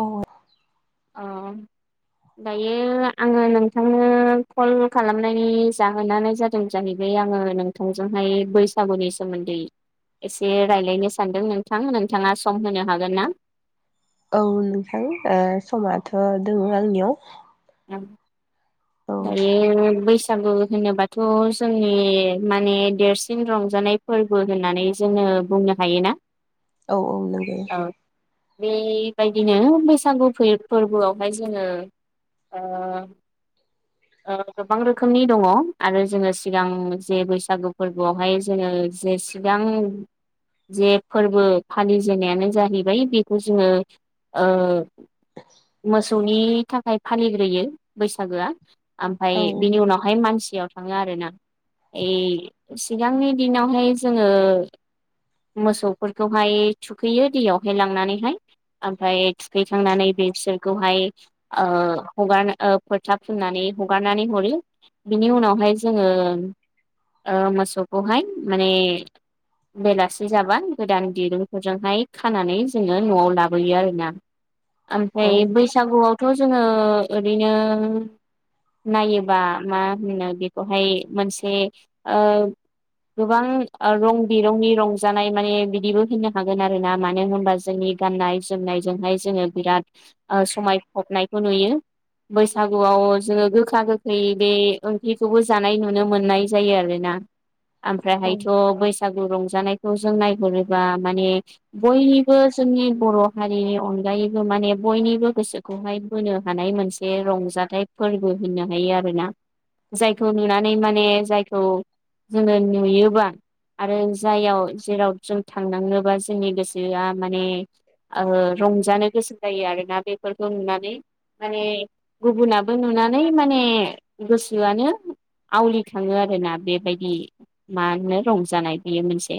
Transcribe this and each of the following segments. औ अ दायो आङो नोंथांनो कल खालामनायनि जाहोनानो जादों जाहैबाय आङो नोंथांजों हाय बे बैसागुनि सोमोन्दै एसे रायज्लायनो सानदों नोंथां नोंथाङा सम होनो हागोन ना? औ नोंथां ओ समाथ' दङ आंनियाव औ दायो बैसागु होनोबाथ' जोंनि माने देरसिन रंजानाय फोरबो होननानै जोङो बुं नो हायोना। औ औ नंगौ बे बायदिनो बैसागु फै-फोर्बोआवहाय जोङो ओ गोबां रोखोमनि दङ आरो जोङो सिगां जे बैसागु फोरबोआवहाय जोङो जे सिगां जे फोरबो फालिजेननायानो जाहैबाय बेखौ जोङो ओ मोसौनि थाखाय फालिग्रोयो बैसागोआ । ओमफफ्राय औ बिनि उनावहाय मानसि बिटियाव थाङो आर ना ओ सिगांनि दिनावहाय जोङो मोसौफोरखौहाय थुखैयो दैयाहाय लांनानैहाय ओमफ्राय थुखैखांनानै बि बिसोरखौहाय ओ हगा ओ फोथा फोननानै हगार हरो बिनि उनावहाय जों ओ मोसौखौहाय माने दि जाबा गोदान दिरुंफोरजोंहाय खानानै जोङो न'आव लाबोयो आरोना । औ ओमफ्राय बैसागुआवथ' जोङो ओरैनो नायोबा मा होनो बेखौहाय मोनसे ओ गोबां रं बिरंनि रं जानाय माने बिदिबो होननो हागोन आरोना मानो होनबा जोंनि गाननाय जोमनायजोंहाय जोङो बिराद समाय फबनायखौ नुयो बैसागुआव जोङो गोखा गोखै बे ओंख्रिखौबो जानाय नुनो मोननाय जायो आरो ना। ओमफ्रायहायथ' औ बैसागु रंजानाय खौ जों नायहरोबा माने बयनिबो जोंनि बर' हारिनि अनगायैबो माने बयनिबो गोसोखौहाय बोनो हानाय मोनसे रंजाथाइ फोरबो होननो हायो आरोना । जायखौ नुनानै माने जायखौ जोङो नुयोबा आरो जायाव जेराव जों थांनाङोबा जोंनि गोसोआ माने ओ रंजानो गोसो जायो आरो। ना बेफोरखौ नुनानै माने गुबुनाबो नुनानै माने गोसोआनो आवलिखाङो आरो ना बेबायदि मा होनो रंजानाय बेयो मोनसे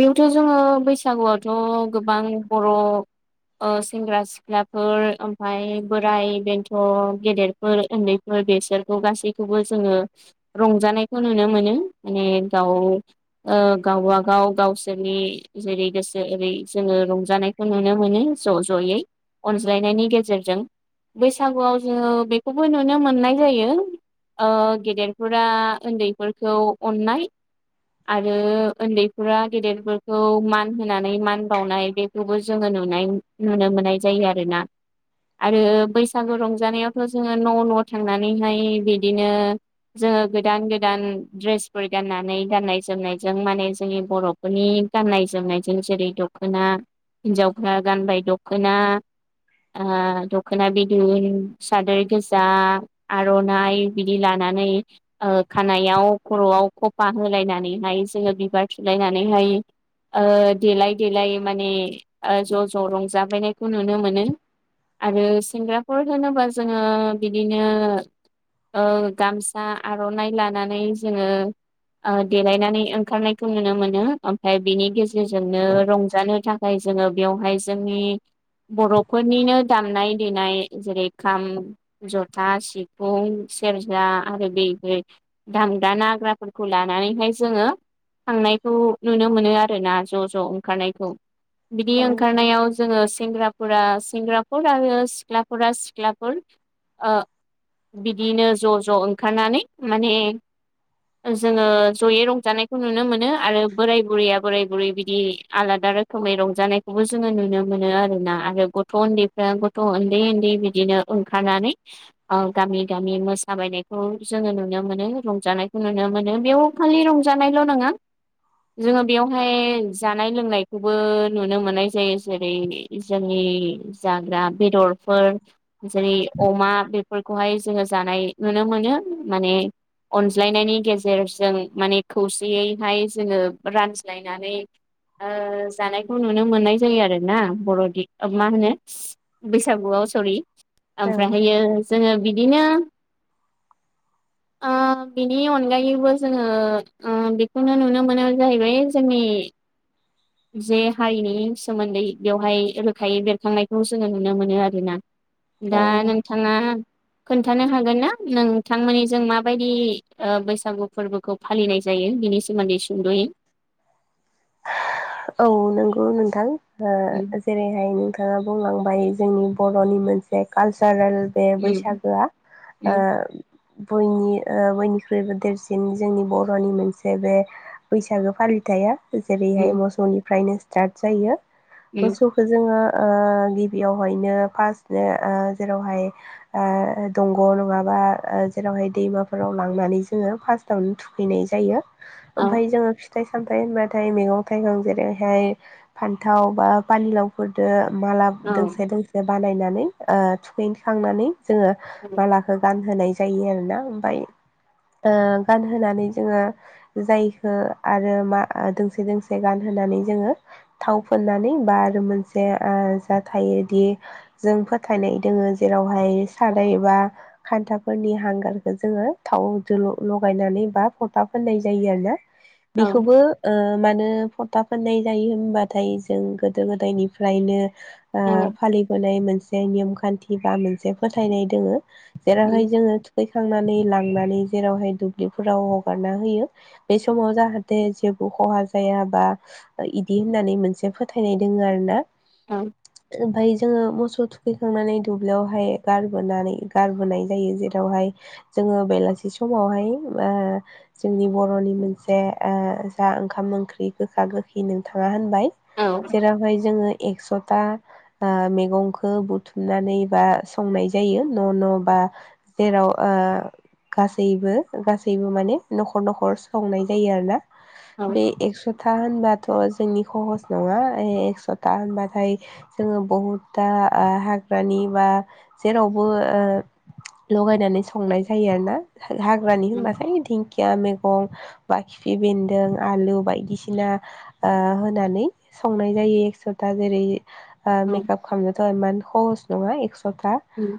बेयावथ' जोङो बैसागुआवथ' गोबां बर' ओ सेंग्रा सिख्लाफोर ओमफफ्राय बोराय बेन्थ' गेदेरफोर उन्दैफोर बेस गासैखौबो जोङो रंजानायखौ नुनो मोनो माने गाव ओ गावबागाव गावसोरनि जेरै गोसो ओरै जोङो रंजानायखौ नुनो मोनो । ज' ज'यै अनज्लायनायनि गेजेरजों बैसागुआव जोङो बेखौबो नुनो मोननाय जायो ओ गेदेरफोरा उन्दैफोरखौ अननाय आरो उन्दैफोरा गेदेरफोरखौ मान होनानै मान बाउनाय जोङो बेखौबो नुनो नुनो मोननाय जायो आरोना । आरो बैसागु रंजानायथ' जोङो न' न' थांनानैहाय बिदिनो जोङो गोदान गोदान ड्रेसफोर गाननानै गाननाय गाननाय जोमनायजों माने जोंनि बर'फोरनि गाननाय जोमनायजों जेरै दख'ना हिनजावफ्रा गानबाय दख'ना ओ दख'ना बिदन सादोर गोजा आर'नाइ बिदि लानानै खानायाव खर'आव खफा होलायनानै हायो जोङो बिबार थुलायनानैहाय ओ देलाय देलाय माने ज' ज' रंजाबायनायखौ नुनो मोनो आरो सेंग्राफोर होनोबा जोङो बिदिनो ओ गामसा आर'नाइ लानानै जोङो देलाय नानै ओंखारनायखौ नुनो मोनो उमफ्राय बिनि गेजेरजोंनो रंजानो थाखाय बियावहाय जोंनि बर'फोरनिनो दामनाय देनाय जेरै खाम जथा सिफुं सेरजा आरो बेहाय दामग्रा नाग्राफोरखौ लानानैहाय जोङो थांनायखौ नुनो मोनो आरोना ज' ज' ओंखारनायखौ बिदि ओंखारनायाव जोङो सिंग्राफोरा सिंग्राफोर आरो सिख्लाफोरा सिख्लाफोर बिदियैनो ज' ज' ओंखारनानै माने जोङो ज'यै रंजानायखौ नुनो मोनो आरो बोराय बुरैया बोराय बुरै बिदि आलादा रोखोमै रंजानायखौबो जोङो नुनो मोनो आरोना आरो गथ' उन्दैफ्रा गथ' उन्दै उन्दै बिदिनो ओंखारनानै अ गामि गामि मोसाबायनायखौ जोङो नुनो मोनो रंजानायखौ नुनो मोनो बेयाव खालि रंजानायल' नङा जोङो बेवहाय जानाय लोंनायखौबो नुनो मोननाय जायो जेरै जोंनि जाग्रा बेदरफोर जेरै अमा बेफोरखौहाय जोङो जानाय नुनो मोनो माने अनज्लायनायनि गेजेरजों माने खौसेयैहाय जोङो रानज्लायनानै जानायखौ नुनो मोननाय जायो आरो ना बर'दिग मा होनो बैसागुआव अ सरि औ ओमफ्रायहायो जोङो बिदिनो बिनि अनगायैबो जों ओ बेखौनो नुनो मोनो जाहैबाय जोंनि जे हारिनि सोमोन्दै बेवहाय रोखायै बेरखांनायखौ जोङो नुनो मोनो आरोना औ दा नोंथाङा खोन्थानो हागोन ना नोंथांमोननि जों माबायदि ओ बैसागु फोरबोखौ फालिनाय जायो बिनि सोमोनदै सुंदयै औ नंगौ नोंथां ओ उम जेरैहाय नोंथाङा बुंलांबाय जोंनि बर'नि मोनसे कालसारेल बे उम बैसागोआ उम बयनि ओ बयनिख्रुइबो देरसिन जोंनि बर'नि मोनसे बे बैसागो फालिथाया जेरैहाय उम मोसौनिफ्रायनो स्टार्ट जायो उम मोसौखौ जोङो ओ गिबियावहायनो फार्स्टनो ओ जेरावहाय दंग' नङाबा आ जेरावहाय दैमाफोराव लांनानै जोङो फार्स्टआवनो थुखैनाय जायो औ ओमफाय जोङो फिथाइ सामथायाइ होनबाथाय मैगं थाइगं जे बेहाय फान्थाव बा पानिलावफोरजों माला औ दोंसे दोंसे बानायनानै ओ थुखैखांनानै जोङो औ मालाखौ गानहोनाय जायो आरोना ओमफाय ओ गानहोनानै जोङो जायखो आरो मा दोंसे दोंसे गान होनानै जोङो थाव फुननानै बा आरो मोनसे जा थायोदि जों फोथायनाय दोङो जेरावहाय साराय बा खान्थाफोरनि हांगारखौ जोङो थाव लगायनानै बा फटा फनाय जायो आरोना औ बेखौबो ओ मानो फ- था फोननाय जायो होनबाथाय जों गोदो गोदायनिफ्रायनो ओ फालिबोनाय मोनसे नेयम खान्थि बा मोनसे फोथायनाय दोङो जेरावहाय उम जोङो थुखै थांनानै लांनानै जेरावहाय दुब्लिफोराव हगारना होयो बे समाव जाहाथे जेबो खहा जायाबा इदि होननानै मोनसे फोथायनाय दोङ आरो ना औ ओमफाय जोङो मोसौ- खौ थुखैखांनानै दुब्लियावहाय गारबोनानै गारबोनाय जायो जेरावहाय जोङो बेलासि मोनसे समावहाय ओ जोंनि बर'नि मोनसे जा ओंखाम ओंख्रि गोखा गोखै नों थाङा होनबाय औ जेरावहाय जोङो एकस'था मैगंखौ बुथुमनानै बा संनाय जायो न' न' बा जेराव ओ [inaudible] [unintelligible] गासैबो गासैबो माने न'खर न'खर संनाय जायो आरो ना औ बे एक्स' होनबाथ' जोंनि सहस नङा एकस'था होनबाथाय जोङो बहुद दा हाग्रानि बा जेरावबो ओ लगायनानै संनाय जायो आरो ना हाग्रानि उम होनबथाय दिंखिया मैगं बा खिफि बेन्दों आलु बायदिसिना बिदिना आ होनानै संनाय जायो एकस'था जेरै आ औ मेकाप खालामनोथ' इमान खहस नङा एकस'था उम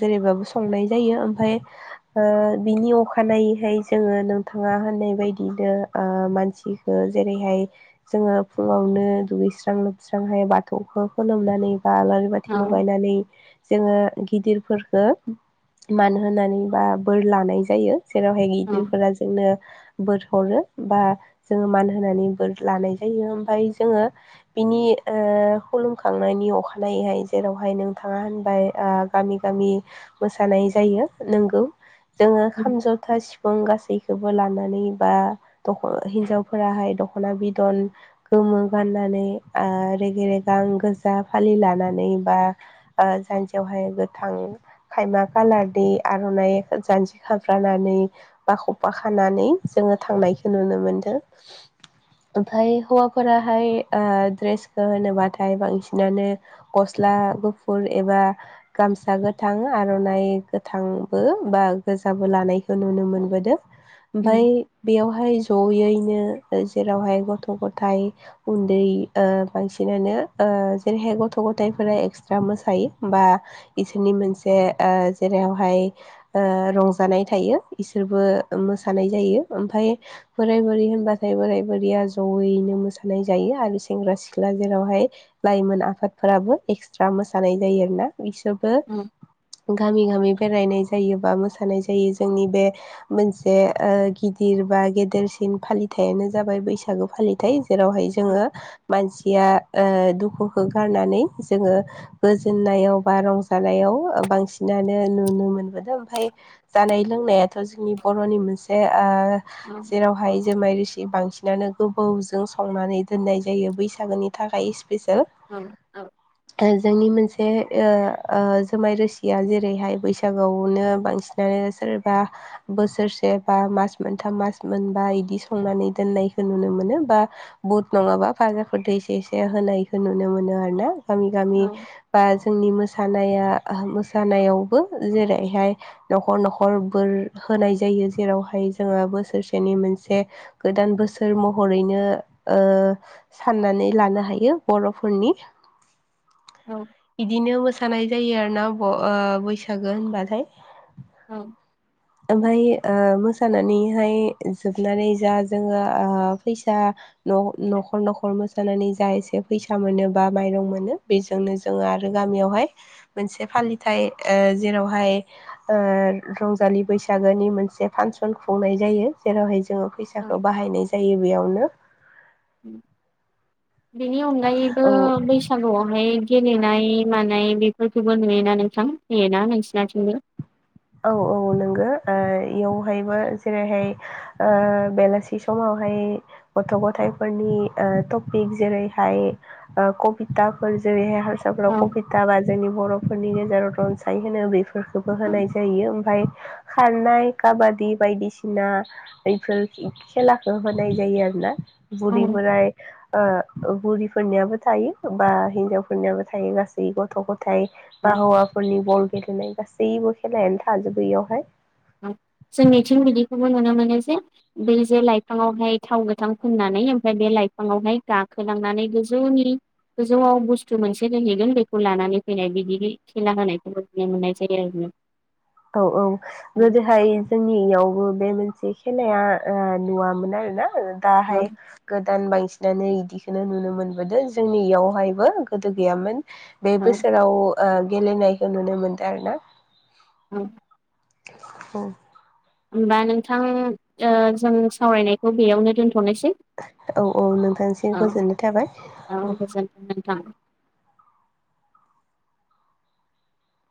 जेरेबाबो संनाय जायो ओमफ्राय ओ बिनि अखानायैहाय जोङो नोंथाङा होननाय बायदि बिदिओ मानसि ओ जेरैहाय जोङो फुङावनो दुगैस्रां लोबस्रांहाय बाथौखौ खुलुमनानै बा आलारि बाथि औ लगायनानै जोङो गिदिरफोरखो मान होनोनानै बा बोर लानाय जायो जेरावहाय औ गिदिरफोरा जोंनो बोर हरो बा जोङो मान होनानै बोर लानाय जायो ओमफाय जोङो बिनि ओ खुलुमखांनायनि नि अखानायैहाय जेरावहाय नोंथाङा होनबाय आ गामि गामि मोसानाय जायो नंगौ जोङो उम खाम जथा सिफुं गासैखौबो लानानै बा दख हिन्जावफोराहाय दख'ना बिदन गोमो गाननानै आ रेगे रेगां गोजा जा फालि लानानै बा सानसेयावहाय गोथां खायमा कालारनि आर'नाइ जान्जि खाफ्रानानै बा खफा खानानै जों आङो थांनायखौ नुनो मोनदों ओमफाय हौवाफोराहाय ओ ड्रेसखौ होनोबाथाय बांसिनानो गस्ला आ गुफुर एबा गामसा गोथां आर'नाइ गोथांबो बा गोज लानायखौ नुनो मोनबोदों उम ओमफ्राय बेयावहाय जयै दिनो जेरावहाय गथ' गथाय उन्दै ओ बांसिनानो ओ जे बेहाय गथ' गथायाइफोरा एक्सट्रा मोसायो बा इसोरनि मोनसे ओ जेरावहाय ओ रंजानाय थायो इसोरबो मोसानाय जायो ओमफ्राय बोराय बुरै होनबाथाय बोराय बोरैया जयैनो मोसानाय जायो आरो सेंग्रा सिख्ला जेरावहाय लाइमोन आ आफादफोराबो एक्सट्रा मोसानाय जायो आरोना बिसोरबो औ गामि गामि बेरायनाय जायो बा मोसानाय जायो जोंनि बे मोनसे ओ गिदिर बा गेदेरसि नि फालिथायानो जाबाय बैसागु फालिथाय जेरावहाय जोङो मानसि या ओ दुखुखौ गारनानै जोङो गोजोननायाव बा रंजानायाव बांसिनानो नुनो मोनबोदों ओमफाय जानाय लोंनायाथ' जोंनि बर'नि मोनसे आ जेरावहाय जुमाय रो बांसिनानो गोबौजों संनानै दोननाय जायो बैसागोनि थाखाय औ औ औ [unintelligible] जोंनि मोनसे ओ ओ जुमाय रोसिया जेरैहाय बैसागुआवनो बांसिनानो सोरबा बोसोरसे बा मास मोनथाम मास मोनबा इदि संनानै दोननायखौ नुनो मोनो बा बुट नङाबा बाजाफोर दो एसे एसे होनायखौ नुनो मोनो दो आरोना आंनि गामि औ बा जोंनि मो मोसानाया मोसानायावबो जेरैहाय न'खर न'खर बोर होनाय जायो जेरावहाय जोङो बोसोरसेनि मोनसे गोदान बोसोर महरैनो ओ साननानै लानो हायो बर'फोरनि [inaudible] बिदिनो मोसानाय जायो आरोना ओ बैसागो होनबाथाय औ ओमफाय ओ मोसानानैहाय जोबनानै जा जोङो ओ फैसा न'खर न'खर मोसानानै जा एसे फैसा मोनोबा बा माइरं मोनो बेजोंनो जोङो आरो गामियावहाय मोनसे फालिथाय ओ जेरावहाय ओ रंजालि बैसागोनि मोनसे फांसन खुंनाय जायो जेरावह जोङो फै फिसाखौ औ बाहायनाय जायो बेयावनो बेनि अनगायैबो औ बैसागुआवहाय गेलेनाय मानाय बेफोरखौबो नुयोना नोंथां होयोना नोंसिनाथिंबो औ औ नोंगो ओ इयावहायबो जेरैहाय ओ बेलासि समाव हाय गथ' गथफोरनि ओ टपिक जेरैहाय ओ कप्टि जेरैहाय औ हारसाफोराव कबिथा बा जोंनि बर'फोरनि गेजेराव थ' रनसाय होनो बेफोरखौबो औ होनाय बेयो ओमफाय खारनाय काबादि बायदिसिना बेफोर खेलाखो हो नाय जायो आरोना बुरि औ बोराय आ ओ बुरिफोरनियाबो थायो बा हिनजावफोरनियाबो थायो गासै गथ' गथ थाय बा हौवाफोरनि बल गेलेनाय गासैबो खेलायानो थाजोबो इयावहाय औ जोंनिथिं बिदिखौबो नुनो मोनो जे बै जे लाइफाङावहाय थाव गोथां फुननानै ओमफ्राय बे एलाइफाङावहाय गाखोलांनानै गोजौनि गोजौआव बुस्थु मोनसे दोनहैगोन बेखौ लानानै फैनाय बिदि खेला होनायखौबो नुनो मोननाय जायो आरो । [inaudible] औ-औ गोदोहाय । जोंनियावबो बे मोनसे खेलाया ओ नुवामोन आरोना ओ औ दाहाय गोद दान बांसिनानो इदिखोनो मोनो मोनबोदों जोंनि इयावहायबो गोदो गैयामोन । बे औ बोसोराव ओ गेलेनायखौ नुनो मोनदों आरोना । [unintelligible] औ । होमबा नोंथां ओ जों सावरायनायखौ बेयावनो दोन थ'नोसै औ औ नोंथांसिम गोजोननाय थाबाय औ-औ गोजोनथों नोंथां ।